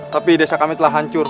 tapi desa kami telah hancur